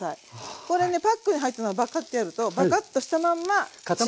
これねパックに入ったままバカッてやるとバカッとしたまんま固まったまんま。